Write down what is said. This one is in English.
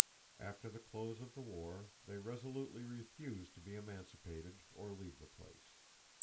After the close of the war they resolutely refused to be emancipated or leave the place.